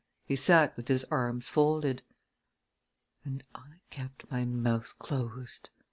He sat with his arms folded. "And I kept my mouth closed!"